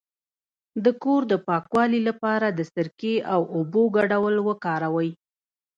د کور د پاکوالي لپاره د سرکې او اوبو ګډول وکاروئ